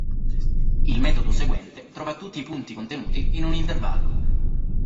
Il metodo seguente trova tutti i punti contenuti in un intervallo.